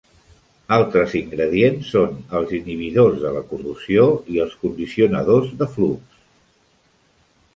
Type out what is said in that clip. Altres ingredients són els inhibidors de la corrosió i els condicionadors de flux.